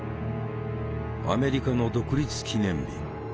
アメリカの独立記念日。